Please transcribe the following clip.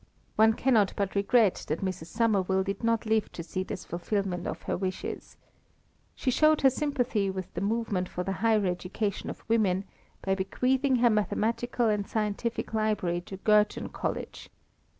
One cannot but regret that Mrs. Somerville did not live to see this fulfilment of her wishes. She showed her sympathy with the movement for the higher education of women, by bequeathing her mathematical and scientific library to Girton College.